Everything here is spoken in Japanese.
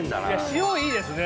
塩いいですね